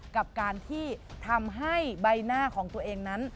กับการที่ทำให้ใบหน้าของตัวเองนั้น